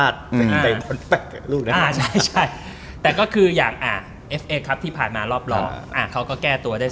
เด็กเอ้าวันนั้นก็พลาด